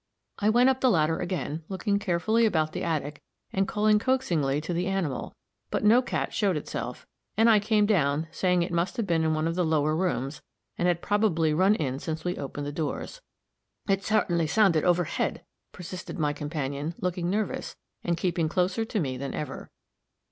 I went up the ladder again, looking carefully about the attic, and calling coaxingly to the animal, but no cat showed itself, and I came down, saying it must have been in one of the lower rooms, and had probably run in since we opened the doors. "It sartingly sounded overhead," persisted my companion, looking nervous, and keeping closer to me than ever.